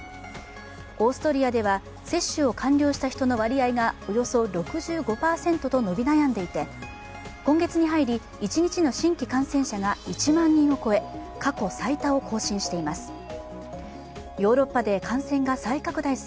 オーストリアでは接種を完了した人の割合がおよそ６５％と伸び悩んでいて、今月に入り一日の新規感染者が１万人を超え、過去最多を更新しています。